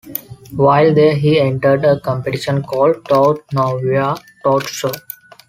While there, he entered a competition called "Tout nouveau, tout show".